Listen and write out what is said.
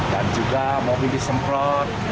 dan juga mobil disemplot